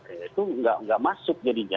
itu nggak masuk jadinya